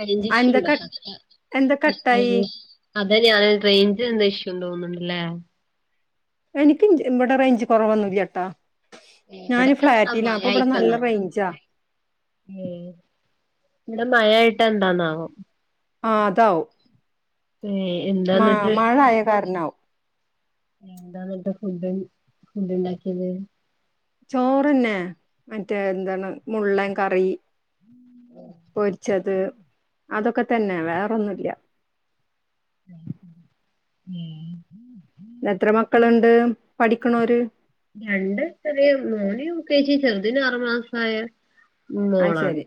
Range എന്താ ഇഷുണ്ടോ ക എന്താ കട്ട് കട്ടായി ആയിനി അതെ ഞാൻ റേഞ്ചിൽ എന്തോ ഇഷ്യൂണ്ട് തോന്ന്ണ്ട്ല്ലേ എനിക്ക് ഇവിടെ റേഞ്ച് കുറവൊന്നുല്ല കേട്ടോ ഞൻ ഇവിടെ ഇനി എന്താ ഫ്ളാറ്റിലാ മഴ അപ്പൊ ഇവിടെ നല്ല റേഞ്ചാ ഏഹ് ഇവിടെ മയായിട്ട് എന്താന്നാവോ ആ അതാവും ഏ മ എന്താന്നിട്ട് മഴായ കാരണാവും എന്താ ഇന്നത്തെ ഫുഡ് ഫുഡ് ഉണ്ടാക്കിയത് ചോറന്നെ മറ്റേ എന്താണ് മുള്ളൻ കറി പൊരിച്ചത് അതൊക്കെ തന്നെ വേറൊന്നുല്ല ഉം എത്ര മക്ക മക്കളുണ്ട് പഠിക്ക്ണോര് രണ്ട് ചെറിയ മോൻ യൂ കെ ജി ചെറുതിന് ആറു മാസ ആയ അത് ശരി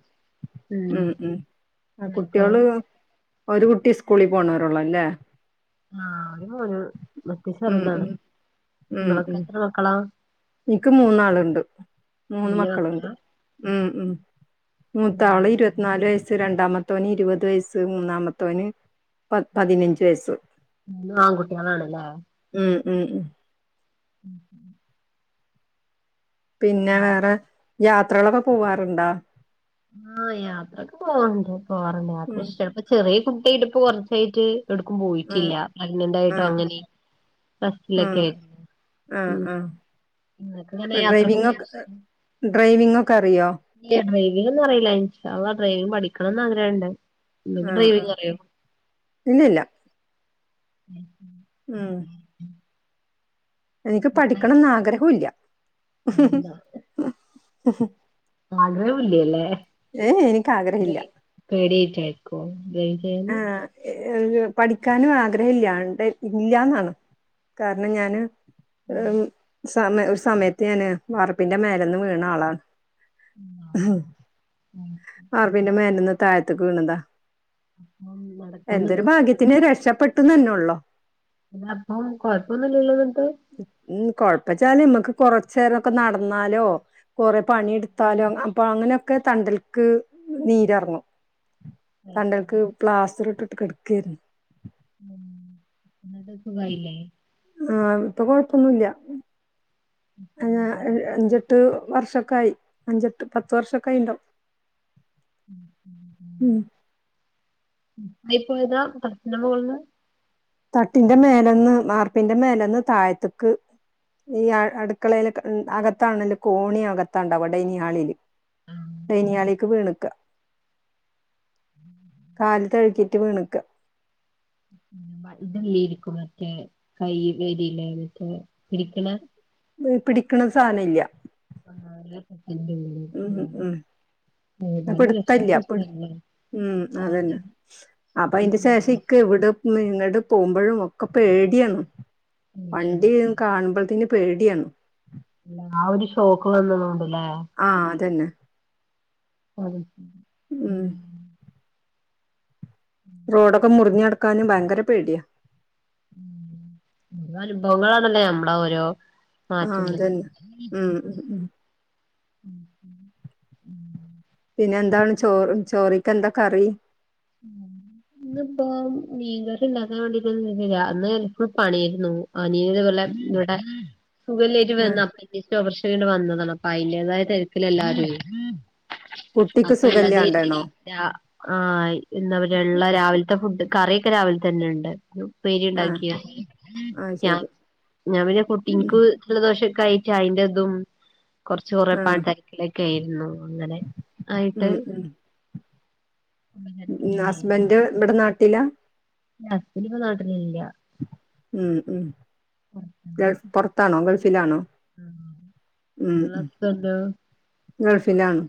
ഉം ഉം ആ നിനക്കോ കുട്ടോൾ ഒരു കുട്ടി സ്കൂളിൽ പോണവരുള്ളോ അല്ലേ ആ ഒരു മോൻ ഉം ചെറുതാണ് ഉം ഉം നിമ്മളൊക്കെ ഉം എത്ര മക്കളാ എനിക്ക് മൂന്നാളുണ്ട് മൂന്ന് വലിയ മക്കളുണ്ട് മക്കളാ ഉം ഉം മൂത്ത ആള് ഇരുപത്തിനാല് വയസ് രണ്ടാമത്തോന് ഇരുപത് വയസ്സ് മൂന്നാമത്തോന് പ പതിനഞ്ച് വയസ്സ്. മൂന്നും ആൺകുട്ട്യാളാണ് ല്ലേ ഉം ഉം ഉം പിന്നെ വേറെ യാത്രകളൊക്കെ പോവാറുണ്ടാ ആഹ് യാത്രൊക്കെ പോവണ്ട് പോവാറുണ്ട് യാത്ര ഉം ഇഷ്ടപ്പ ചെറിയ കുട്ടി ആയിട്ട് പ്പോ കുറച്ചായിട്ട് എടുക്കും ഉം പോയിട്ടില്ല പ്രഗ്നന്റ് യിട്ടും ആഹ് അങ്ങനെ ബസലൊക്കെ ആഹ് ആയി ആഹ് ആഹ് യാത്രൊക്കെ പോവാൻ ഇഷ് ഡ്രൈവിങൊക്കെ ഡ്രൈവിങൊക്കറിയോ ഇല്ലാ ഡ്രൈവിംഗ് ഒന്നും അറിയില്ല എനിക്ക് അവളെ ഡ്രൈവിംഗ് പഠിക്കണന്ന് ആഗ്രഹണ്ട് ഇങ്ങക്ക് ആഹ് ആഹ് ഡ്രൈവിംഗ് അറിയോ ഇല്യല്ല ഉം എനിക്ക് പഠിക്കണന്ന് ആഗ്രഹുല്യ അതെന്താ [unintelligible] ല്യലേ ഏഅ് ൻക്ക് ആഗ്രഹല്യ പേടിറ്റ്യാര്ക്കോ [unintelligible] ഏ ഒരു പഠിക്കാനുആഗ്രഹഇല്യാൺട്ടേ ഇല്ല്യാന്നാണ് കാര്ണം ഞാന് ഉം സമ സമയത്ത് ഞാന് വാർപ്പിന്റെ മേലന്ന് വീണാളാണ് ഹും ആഹ്. ഉം. വാർപ്പിൻ്റെമേലന്ന് താഴ്ത്ത്ക്ക് വീണതാ ഒമ്പത് എന്തൊരു ഭാഗ്യത്തിന് രക്ഷപ്പെട്ടു തന്നെ ഉള്ളോ ഇതപ്പം കൊഴപ്പൊന്നുല്യല്ലോ നിട്ട് ഉം കൊഴപ്പച്ചാല് നമ്മക്ക് കൊറച്ചേ രൊക്കെ നടന്നാലോ കൊറേ പണിട്ത്താലും അപ്പോ അങ്ങനൊക്കെ തണ്ടൽക്ക് നീരർങ്ങും തണ്ടൽക്ക് പ്ലാസ്റ്ററ്ട്ട്ട്ട് കട്ക്കേര്ന്നു ഉം ന്നിട്ട് സുഖായില്ലേ ആഹ ഇപ്പൊ കുഴപ്പമൊന്നുമില്ല ഞാ അ അഞ്ചെട്ട് വർഷൊക്കൊയി അഞ്ചട്ട് പത്ത് വർഷൊക്കായിണ്ടാവും ഉം അയ് പോയതാ പട്ത്തിൻ്റെ മോൾന്ന് തട്ടിന്റെ മേലന്ന് മാർപ്പിന്റെ മേലന്ന് തായ്ത്ത്ക്ക് ഈ അടുക്കളയില് അകത്താണല്ല കോണി അകത്താണ്ടാവ ഡൈനിളില് ടൈനിഹാളിക്ക് വീണ്ക്ക കാൽ തഴ്ക്കിറ്റ് വീണ്ക്ക [unintelligible] ബ് പിടിക്ക്ണ സാനല്യേ ആക്കട്ടില്ല ഉം ഉം ഏതാലും പിടുത്തല്ല പിട് ലക്ഷപ്പെക്കല്ല ഉം അതന്നെ അപ്പയ്ന്റെ ശേഷിക്കവ്ട് നിന്നട് തോമ്പഴും ഒക്കെ പേട്യാണ് പേടിയാണ് വണ്ടി കാണുമ്പൾത്തിന് പേടിയാ ലാ വൊര്ഷോക്ക് വന്നത് കൊണ്ട്ല്ലേ ആഹ് അതന്നെ [unintelligible] ഉം റോഡൊക്കെ മുർഞ്ഞടക്കാനും ഭയങ്കര പേട്യാ നാലും പൗങ്ങളാണല്ലേ നമ്മള ഓരോ ആഹ് മാറ്റുന്നത് അതന്നെ ഉം ഉം ഉം പിന്നെ എന്താണ് ചോറ് ചോറിക്കെന്താ കറി ഇന്ന്പ്പോ മീൻകറിണ്ടാക്കാവാണ്ടിട്ട് നിന്നില അന്ന്പ്പ പണ്യേര്ന്നു ആനീന് വല്ല വിടെ സുഖല്ലയ്ട്ട് വന്ന ആഹ് അപ്പ തെക്ക് [unintelligible] വന്നതാണ് അപ്പൊ അയിന്റെതായ ടെൻഷനാ എല്ലാരും കുട്ടിക്ക് സുഖല്ലാണ്ടാണോ അപ്പള്ളതേര്ക്കുലേ രാ ആഹ് എന്താപ്പ റ്യാ ള അഹ് രാവിൽത്തെ ഫുഡ് കറിയൊക്കെ രാവിൽതന്നെണ്ട് ആഹ് ഉപ്പേരിണ്ടാക്കിയാ ആഹ് ഞാ ശരി ഞാപിന്നെ ഉം കുട്ടിൻക്ക് ജലദോഷക്കൊയ്റ്റ് അയ്ന്റെതും കൊർച്ച് കൊറേ ആഹ് പണി ത്തര്ക്കിലെ ക്ക്യേര്ന്നു അങ്ങനെ ആയിട്ട് ഉം [unintelligible] ഉമ് ഹസ്ബന്റ് ഇവിടെ നാട്ടിലാ ഇന്റെ ഹസ്ബന്റ് ന്റെ നാട്ടിലില്ല മ് മ് പൊറത്താണ് ഗൾഫ് പുറത്താണോ ഗൾഫിലാണോ ആഹ് ഉമ് നിങ്ങളെ ഹസ്ബന്റോ ഗൾഫിലാണ്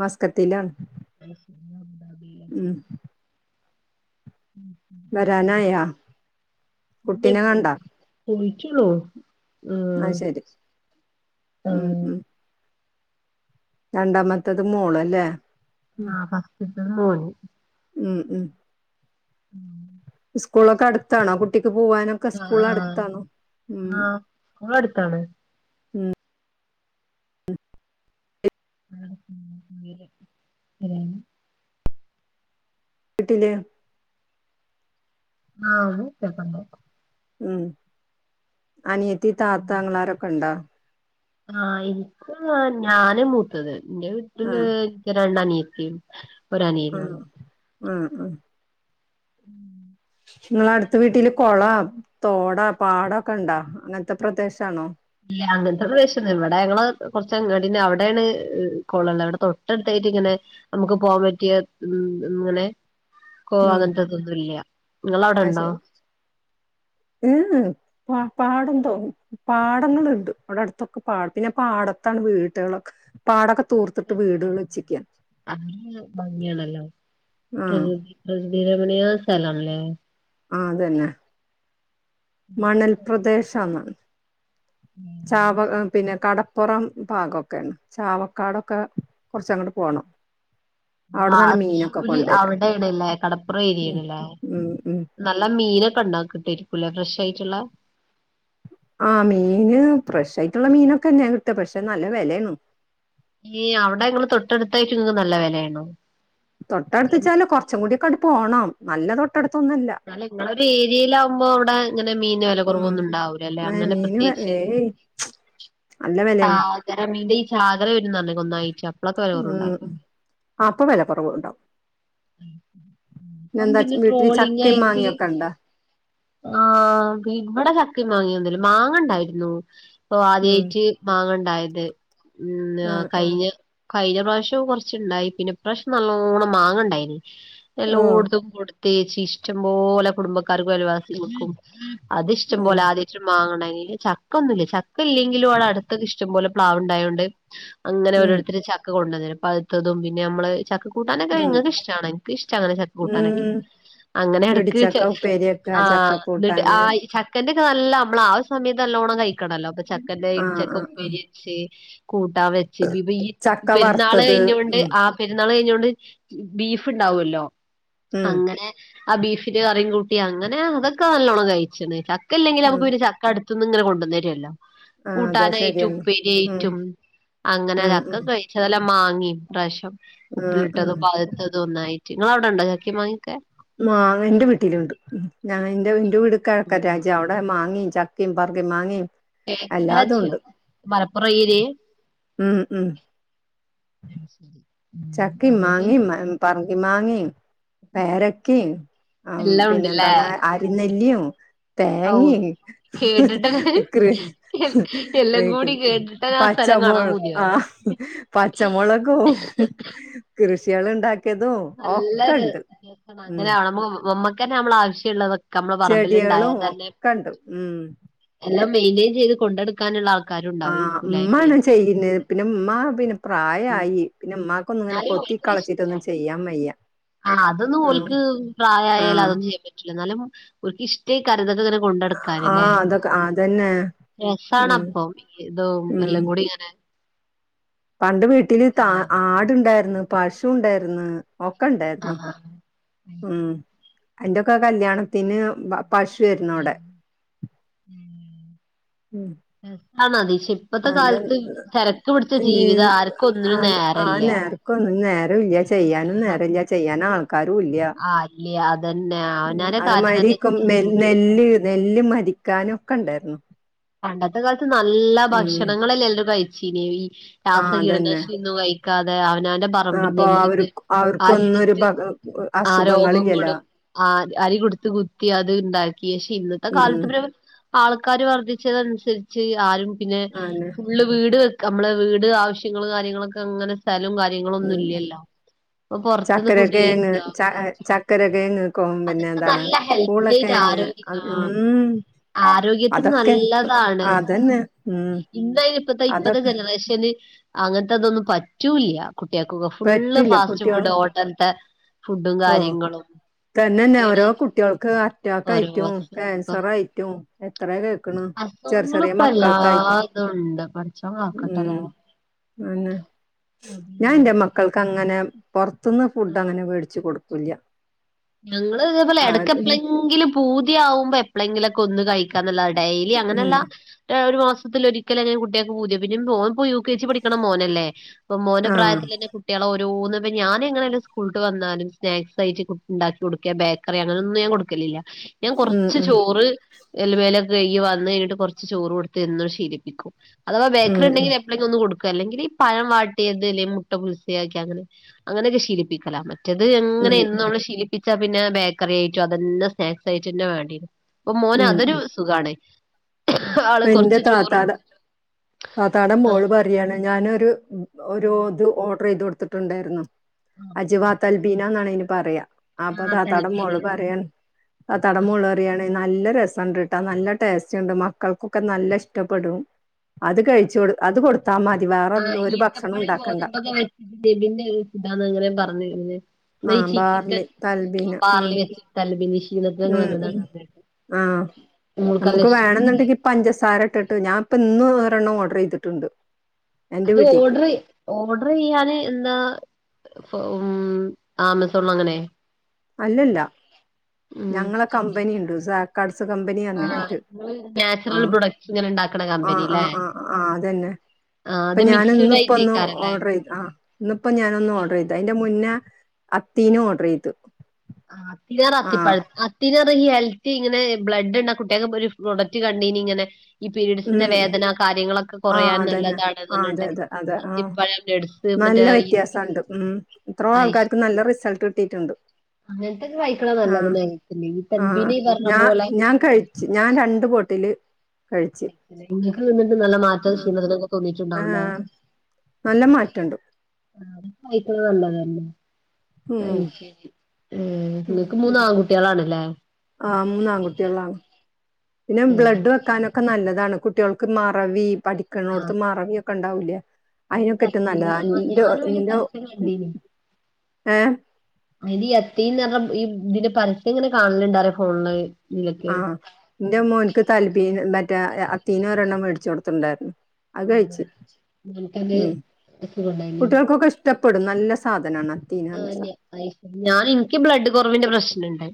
മസ്ക്കറ്റിലാണ് [inaudible] മം മ് വരാനായോ കുട്ടിനെ പോയി കണ്ടോ [unintelligible] അയ് ഉം ശരി മ് ആഹ് മ് രണ്ടാമത്തത് മോള് അല്ലേ? ആഹ് ഫസ്റ്റത്തത് മോന് ഓഹ് ഉമ് ഉമ് [inaudible] സ്കൂളൊക്കെ അടുത്താണോ കുട്ടിക്ക് പോവാനും ആഹ് ആഹ് ആം [unintelligible] അടുത്താണ് [inaudible] വീട്ടില് ആഹ് [unintelligible] മ് അനിയത്തി, താത്താ ആങ്ങളാരൊക്കെ ഉണ്ടാ ആഹ് ഇൻക്കും ആഹ് ഞാനാ മൂത്തത് എന്റെ വീട്ടില് ആഹ് ഇന്ക് രണ്ട് അനിയത്തി ആഹ് ആഹ് ആഹ് ഉമ് ഇങ്ങള അടുത്ത വീട്ടില് കുളം, തോട, പാടൊക്കെ ഉണ്ടാ അങ്ങനത്തെ പ്രദേശാണോ ഇല്ല അങ്ങനത്തെ ഒരു പ്രദേശല്ല ഇവിടെ ഞങ്ങള് കൊറച്ചങ്ങാടി അവിടെയെണ് കുളവു ള്ളെ ഇവിടെ തൊട്ടടുത്തായിട്ട് ഇങ്ങനെ നമുക്ക് പോവാൻ പറ്റിയ മഹ് ഇങ്ങനെ കോ ഉം അങ്ങനത്തെതൊന്നും ഇല്ല ഇങ്ങളവടെ അത് ഉണ്ടോ ശരി ഏഹ് പ പാടന്തോ പാടങ്ങളുണ്ട് അവിടെ അടുത്തൊക്കെ പാട പിന്നെ പാടത്താണ് വീടുകളൊക്കെ. പാടൊക്കെ തൂർത്തിട്ട് വീടുകള് വച്ചിക്ക അതു പിന്നെ ഭംഗിയാണല്ലോ ആഹ് പ്രകൃതി പ്രകൃതി രമണീയ സ്ഥലണല്ലേ ആഹ് അതന്നെ മണൽപ്രദേശം [unintelligible] ചാവ പിന്നെ കട പ്പുറം ഭാഗക്കെയാണ് ചാവക്കാടൊക്കെ കുറച്ചങ്ങട്ട് പോണം അവിടന്നാണ് ആഹ് മീനൊക്കെ തൃശ്ശൂര് കൊണ്ടുവരാ അവിടെയാണല്ലേ കടപ്പുറം ഉം ഏരിയയാണല്ലേ ഉം ഉം നല്ല മീനൊക്കെ ഉണ്ടാ കിട്ടായിരിക്കൂല്ലേ ഫ്രഷ് ആയിട്ടുള്ള ആ മീന് ഫ്രഷ് ആയിട്ടുള്ള മീനൊക്കെന്നെയാ കിട്ടാ പക്ഷെ നല്ല വെലയാണ്. ഈ അവിടെ നിങ്ങള് തൊട്ടടുത്തായിട്ടും നല്ല വിലയാണോ തൊട്ടടുത്ത്ച്ചാല് കുറച്ചും കൂടിയൊക്കെ അങ്ങട്ട് പോണം നല്ല തൊട്ടടുത്തൊന്നും അല്ല എന്നാലും നിങ്ങളൊരു ഏരിയിലാവുമ്പോ അവിടെ ഇങ്ങനെ മീൻ വില ഉം കുറവൊന്നും ഉണ്ടാവില്ല അല്ലെ അങ്ങനെ മീന് പ്രത്യേകിച്ച് ഏയ് ച്ചി [unintelligible] മീൻ്റെ ഈ ചാകര വരുന്നോണ്ട് ഒന്നായിട്ടാ ഉമ് അപ്പൊ വില കുറവ് ഉണ്ടാവും എന്താ ഇപ്പംപിന്നെ വീട്ടില് ട്രോളിങ് ചക്കയും ആയിട്ട് മാങ്ങയൊക്കെ ഇണ്ടാ ആഹ് ഇവിടെ ചക്കയും മാങ്ങയൊന്നുല്ല മാങ്ങണ്ടായിരുന്നു ഇപ്പോ ഉം ആദ്യയിട്ട് മാങ്ങണ്ടായത് പിന്ന ആഹ് ആഹ് കഴിഞ്ഞ കഴിഞ്ഞ പ്രാവശ്യവും കുറച്ചുണ്ടായി പിന്നെ ഇപ്രാവശ്യം നല്ലോണം മാങ്ങ ഇണ്ടായിനി ഓഹ് എല്ലോടത്തും കൊടുത്തേച്ചു ഇഷ്ടം പോലെ കുടുംബക്കാർക്കും അയൽവാസിക്കും അത് ഇഷ്ടം ഉം പോലെ ആദ്യായിട്ടൊരു മാങ്ങണ്ടായ്ന് ഇചക്കൊന്നുല്യ ചക്ക ല്ല്യങ്കിലുവ്ടട്ത്തൊക്കെഷ്ട്ടം പോല പ്ലാവ്ണ്ടായോണ്ട്. അങ്ങനെ ഉം ഓരോര്ത്തര് ചക്ക കൊണ്ടന്നേരും പഴ്ത്തതും പിന്നെ മ്മള് ചക്കകു കൂട്ടാനൊക്കെ ഉം ഇങ്ങക്ക് ഇഷ്ടാണ്. ഇൻക്ക് ഇഷ്ടാ അങ്ങനെ ചക്ക കൂട്ടാനൊക്കെ. ഉം അങ്ങനെ എടക്ക് ച ഇടിച്ചക്ക ഉപ്പേരിയെക്ക ചക്ക ആഹ് ന്ന്ട്ട് കൂട്ടാന് ആഹ് ഈ ച ക്കന്റെ കാൽല്ലംളാ ആഹ് സമയത്ത് നല്ലോണം കയിക്കണല്ലൊകൊ ചക്കന്റെ ആഹ് ആഹ് ആഹ് ഇട്ച്ചക്കപ്പേരി ഷി കൂട്ടാംവെച്ച് പ്ബിയ്യ് ചക്ക പെരുന്നാള വറുത്തത് യ്ഞ്ഞോണ്ട് ഉം ആഹ് പെരുന്നാള് കഴിഞ്ഞോണ്ട് ബീഫ്ണ്ടാവല്ലൊ ഉം അങ്ങനെ ആഹ് ബീഫിന്റെ കറീം കൂട്ടി അങ്ങനെ തൊക്കെ നല്ലോണം കയിച്ചിന്ന് ചക്ക ല്യങ്കില് ഉം മക്ക്പിന്നെ ച കടുത്ത്ന്ന്ങ്ങന കൊണ്ടന്നെരുല്ലാം ആഹ് അതെ കൂട്ടാനായ്റ്റും ശരിയാണ് ഉം ഉപ്പേരിയായ്റ്റും അങ്ങന ഉം ചക്ക ഉം ക ചതെല്ല മാങ്ങിം ഇപ്രാഷ്യം ആഹ് ഉപ്പ്ലിട്ടതും ആഹ് പ അതൊന്നായ്റ്റ് ഇങ്ങളവടെണ്ടോ ചക്കീം മാങ്ങ്യക്കെ മാങ്ങന്റെ വീട്ടിലുണ്ട്. ഞാ ഇൻ്റെവ് ഇന്റെവീട് ഉം കെഴക്കൻരാജ്വ അവ്ടെ ബഎ മാങ്ങിം, ചക്കിം, പർങ്കി മാങ്ങിം ഏതാ [unintelligible] മലപ്പുറം ഏരിയെ ഉം ഉം [unintelligible] ചക്കിം, അതുകൊണ്ട് മാങ്ങിം, മ പർങ്കി മാങ്ങിം പേരക്കീം അം എല്ലാം ഉണ്ടല്ലേ പിന്നെന്താണ് അരിനെല്ലിം ഔ തേങ്ങീ കേട്ടിട്ട് ക്രിഷ് എല്ലാം കൂടി [unintelligible] കേട്ടിട്ട് ആ സ്ഥലം പച്ചമൊൾ. കാണാൻ പൂതിയാവുന്നു ആഹ് പച്ചമൊളകു [unintelligible] കൃഷ്യേള്ണ്ടാക്ക്യതോ നല്ല ര രസം. അങ്ങനാവുമ്പ ഞമ്മക്കന്നെ ഞമ്മള് ആവശ്യള്ള ക്കമ്മളെ ചെടികളും പറമ്പില്ണ്ടായതല്ലേം ഒക്കെണ്ട് ഉം എല്ലാം മെയ്ന്റെയ്ൻ ചെയ്ത് കൊണ്ടട് ക്കാന്ള്ളആൾക്കാരുൺ ആഹ് ഉമ്മാണ് ചെയ്യ്ന്നെ പിന്നെ ഉമ്മാ പിന്നെ പ്രായായി. പിന്നെ മ്മാക്കൊന്നുങ്ങനെ എന്നാലും കൊത്തി ക്കളച്ചിട്ടൊന്നും ചെയ്യാൻ വയ്യ ആഹ് അതൊന്നും ആഹ് ഓൽക്ക് പ്രായായാല് ആഹ് അതൊന്നും ചിയ്യാൻ പറ്റ്ല ന്നാലും ഓൽക്കിഷ്റ്റെയ്ക്കാരം [unintelligible] കൊണ്ടെട്ക്കാനിലെ ആഹ് അതൊക്കെ അതന്നെ ഉം രസാണപ്പൊ ഇതൊ ഉം എല്ലം കൂടി ഇങ്ങനെ പണ്ട് വീട്ടില് താ ആഹ് ആട്ണ്ടായിര്ന്ന് പശുണ്ടായിര്ന്ന് ഓക്കണ്ടായിര്ന്നു. ആഹ് ഉം അയ്ന്റൊക്ക കല്യാൺത്തിന് പശൊര്ന്നുവ്ടെ ഉം ആണത് ശ പ്പത്തെ കാൽത്ത് തെരക്ക് പുടിച്ച ജീവിതാ ആർക്കും ഒന്നിനും നേരല്യ ഇക്കൊന്നിനു നേരൊല്ല്യ ചെയ്യാനും നേരല്ല ചെയ്യാന് ആൾക്കാരുല്ല്യ ല്യ അതെന്നെ അവനാന്റെ അതേമാതിരി കാര്യതന്നെ തട്ടിമുട്ടി പോ നെല്ല് നെല്ല് മരിക്കാനൊക്കെണ്ടായ്ര്ന്നു പണ്ടത്തെ കാൽത്ത് നല്ല ഉം ഭക്ഷണങ്ങളല്ലെല്ലും കയ്ച്ചീന് ഇ താസ ആഹ് അതന്നെ കീടന്താശ്നിന്നു കൈ ക്കതെ അവനാൻ്റം ആ, പറമ്പിൽ അപ്പൊ അവർ നില്ല്ന്ന് ആ അവർക്കൊന്നൊരു ഇട്ത്ത് ഭ അസുഖങ്ങളില്ലല്ലോ ആരോഖങ്ങളും ആഹ് അരി കൊടുത്ത് കുത്തി അത് ണ്ടാക്കി ഉം ഷിഇന്നത്തെകാൽത്ത്ബ്ര് ആൾക്കാര് വർധിച്ചതൻസരിച്ച് ആരും പിന്നെ ആന്നെ [unintelligible] വീട് വെക്ക ഞമ്മ്ള വീട് ആവശ്യങ്ങള് കാര്യങ്ങളൊക്കങ്ങനെ സ്ഥലൊം കാര്യങ്ങളൊന്നുല്ലല്ലൊ ചക്കരക്കേങ്ങ് ച ചക്കരക്കേങ്ങ് കോം അതൊക്കെ പിന്നെന്താണ് നല്ല ഹെൽത്തി ആയിട്ട് പൂളക്കേങ്ങ് ആരോഗ്യ ആ അതിന്ന് ഉം ആരോഗ്യത്തിന് അതൊക്കെ നല്ലതാണ് അതന്നെ ഉം ഇന്നയ്ന് പ്പത്തെ ഇപ്പത്തെ ജ അതൊക്കെ അയ്‌ഷരി അങ്ങൻത്തതൊന്നുപറ്റൂല്യ കുട്യേകൊക്കൊ ഫുള്ള് പറ്റൂല ഫാസ്റ്റ് കുട്ടികൾ ഫുഡ് ഹോട്ടൽത്തെ ഫുഡും ഓഹ് കാര്യങ്ങളും തന്നെന്നെ ഒക്കെയാണ് ഓരോ കുട്ട്യോൾക്ക് ഓരോ അറ്റാക്കായ്റ്റും അസുഖം കേൻസറായ്റ്റും എത്രകേക്ക്ണ് ചെറ് ചെറ്യേ അസുഖങ്ങളിപ്പോ മക്കൾക്കായ്റ്റ് എല്ലാതും ഉണ്ട് പടച്ചോൻ ഉം കാക്കട്ടെല്ലേ അന്നെ ഞാൻ അതന്നെ എൻറെ മ മക്കൾക്ക് അങ്ങനെ പുറത്തന്ന് ഫുഡ ആഹ് അങ്ങനെ മേടിച്ചു കൊടുക്കൂല്ല ഞങ്ങള് ഇതേപോലെ എടക്ക ആത് എഴെങ്കിലും പൂതിയാവുമ്പോ എപ്പഴെങ്കിലൊക്കെ ഒന്ന് കഴിക്ക [unintelligible] ഡെയ്ലി ഉം അങ്ങനെയല്ല ഒരു മാസത്തില ഒരിക്കല അങ്ങനെ കുട്ടിയൊക്കെ പ പോതിയ പിന്നെ മോൻ പോയി യു കെ ജി പഠിക്കണം മോനല്ലേ ഇപ്പൊ മോന ആഹ് പ്രായത്തിൽ തന്നെ കുട്ടികളെഓരോന്ന ഇ ഞാന എങ്ങനെല്ല സ്കൂളട്ട വന്നാലും സ്നാക്സ് ആയിട്ട് ഉണ്ടാക്കി കൊടുക്ക ബേക്കറി അങ്ങനെയൊന്നും ഞാൻ കൊടുക്കലില്ല ഞാൻ ഉം കൊറച്ച് ഉം ചോറ് എലമേലൊക്കെ കൈ വന്നു കഴിഞ്ഞിട്ട് കുറച്ച് ചോറ് കൊടുത്ത്ന്ന് ശീലിപ്പിക്കും അഥവാ ഉം ഉം ബേക്കറിണ്ടങ്കിൽ ഉം എപ്പൊളങ്കിലും ഒന്ന് കൊടും അല്ലെങ്കിൽ ഈ പഴം വാട്ടിയത് അല്ലെങ്കിൽ മുട്ട ബുൾസയൊക്കെ അങ്ങനെ അങ്ങനെയൊക്കെ ശീലിപ്പിക്കലാന്ന് മറ്റേത് എങ്ങനെ ഉം എന്നും ശീലിപ്പിച്ചാ പിന്നെ ബേക്കറി ആയിറ്റു അതന്നെ സ്നാക്സ് ആയിട്ട് തന്നെ [unintelligible] അപ്പൊ മോന് ഉം ഉം അതൊരു സുഖണേ ഇപ്പ എന്റെ താത്താട താത്താട ആഹ് മോള് അരിയാണ് ഞാനൊരു ഒരു ഇത് ഓർഡർ ചെയ്ത് കൊടുത്തിട്ടുണ്ടായിരുന്നു അജ്വാത്ത് അൽബീന എന്നാണ് ഇന് പറയാ അപ്പൊ ആഹ് താതാടം തൽബീര് മോള് പറയാ ആതാത്താടമുള്ളറിയാണ് നല്ല രസണ്ട് ട നല്ല ടേസ്റ്റ് ഉണ്ട് മ മക്കൾക്കൊക്കെ നല്ല ഇഷ്ടപ്പെടും അത് കഴിച്ചു കൊടു അത് കൊടുത്താൽ മതി വേറെ ഒരു ഭക്ഷണം ഉണ്ടാക്കണ്ട [unintelligible] സിദ്ധാന് അങ്ങനെ പറഞ്ഞു കഴിഞ്ഞഞ് ആഹ് ചിക്കാ ബാർലി തൽബീന ഉം [unintelligible] ഉം ഉം നല്ലതാണ് [inaudible] ആഹ് മോൾക്ക് നല്ല നമുക്ക് ഇഷ്ടപ്പെട്ടല്ലേ വേണന്നുണ്ടെങ്കി പചസാരട്ടട്ട്ഞാനിപ്പൊ ഇന്ന് വേറെണ്ണം ഓർഡർ ചെയ്തിട്ടുണ്ട് എന്റെ അത് വീട്ടിക്ക് ഓർഡറ് ഓർഡർ ചെയ്യാന് എന്താ ഉം ആമസോൺ അങ്ങനെ അല്ലല്ല ഉം ഞങ്ങളെ കമ്പനി ഇണ്ട് സ കടസ ആഹ് കമ്പനിയാന്നട്ട ഇങ്ങള് നാച്ചുറൽ ആഹ് പ്രൊഡക്ട്സ് ഇങ്ങനെ ഇണ്ടാക്കണ ആഹ് കമ്പനില്ലേ ആഹ് ആഹ് ആഹ് അതന്നെ ആഹ് അപ്പൊ അത് ഞാന് മിക്സ്ഡ് ഇന്നിപ്പോ ഒന്ന് ആയിട്ടേക്കാരല്ലേ ഓർഡർ ചെയ്തു ആഹ് ഇന്നിപ്പോ ഞാൻ ഒന്ന് ഓർഡർ ചെയ്തു അന്റെ മുന്നേ അത്തീനും ഓർഡർ ചെയ്തു ആഹ് ആഹ് [unintelligible] പിന്നെറ ഈ ഹെൽത്ത് ഇങ്ങനെ ബ്ലഡ്ണ്ട കുട്ടികൊക്കെ ഒരു പ്രൊഡക്റ്റ് കണ്ടീനി ഇങ്ങനെ ഈ ഉം പീരീഡ്സിന്റെ ഉം വേദന കാര്യങ്ങളൊക്കെ ആഹ് കുറയാൻ അതന്നെ നല്ലതാണ് ആഹ് അതെ പറഞ്ഞിട്ട് അതെ അതെ ആഹ് അത്യപാഴം നല്ല വ്യത്യാസംണ്ട് ഉം എത്ര ആൾക്കാർക്കും നല്ല റിസൾട്ട് കിട്ടീട്ടുണ്ട് അങ്ങനത്തെക്കെ കായിക്കണം നല്ലത് ഈ തൽബിന പറഞ്ഞ പോലെ കഴിച്ചു ഞാൻ രണ്ട് ബോട്ടില് കഴിച്ചു നിങ്ങൾക്ക് നിന്നിട്ട് നല്ല മാറ്റം ക്ഷീമതൊക്കെ തോന്നീട്ടുണ്ടാവൂലേ ആഹ് നല്ല മാറ്റണ്ട് ആഹ് കൈപ്പ നല്ലതല്ലേ ഉം അയ്ശരി ഏഹ് നിങ്ങക്ക് മൂന്ന് ആൺകുട്ടികളാണല്ലേ ആഹ് മൂന്ന് ആൺകുട്ടികളാണ് പിന്നെ ഏഹ് ബ്ലഡ് വെക്കാനൊക്കെ ഒക്കെ നല്ലതാണ് കുട്ടികൾക്ക് മറവി ആഹ് പഠിക്കണോടത്ത് മറവി ഒക്കെ ഉണ്ടാവൂല അയിന്റെ അതിനൊക്കെ ഏറ്റും തത്തീനെ നല്ലതാ എന്റെ ഞാനും അയിന്റെ എന്റെ പരസ്യം ഏഹ് ഇത് അത്രയും ഈ ഇതിന്റെ പര്യം ഇങ്ങനെ കാണലുണ്ടറേ ഫോണില് ഇതിലൊക്കെ ആഹ് എന്റെ മോൻക്ക് തല്പ്പി മറ്റേ അത്തീന ഒരെണ്ണം മേടിച്ചു കൊടുത്തിണ്ടായിരുന്നു അത് കഴച്ച് ഉം. എനിക്കത് ഉം സുഖണ്ടായിനി കുട്ടികൾക്കൊക്കെ ഇഷ ഇഷ്ടപ്പെടും നല്ല സാധനമാണ് ആഹ് ഞാൻ എനിക്ക് ബ്ലഡ് കുറവിന്റെ പ്രശ്നംണ്ട്